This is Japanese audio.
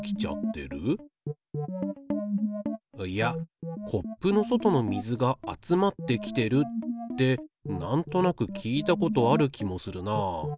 いやコップの外の水が集まってきてるってなんとなく聞いたことある気もするな。